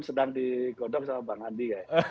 sedang dikodok sama bang adi